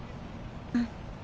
うん。